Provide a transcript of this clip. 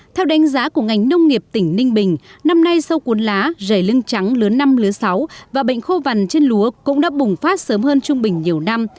theo đánh giá của ngành nông nghiệp tỉnh ninh bình năm nay sâu cuốn lá dày lưng trắng lớn năm lớn sáu và bệnh khô vằn trên lúa cũng đã bùng phát sớm hơn trung bình nhiều năm